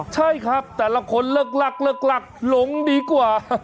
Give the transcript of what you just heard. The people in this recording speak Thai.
ใช่ครับแต่ละคนเลิกหลงดีกว่า